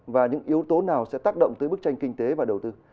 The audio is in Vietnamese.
và những yếu tố nào sẽ tác động tới bức tranh kinh tế và đầu tư